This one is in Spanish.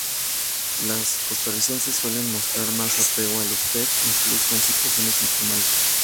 Los costarricenses suelen mostrar más apego al "usted", incluso en situaciones informales.